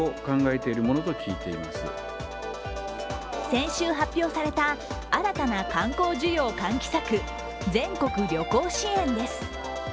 先週発表された新たな観光需要喚起策、全国旅行支援です。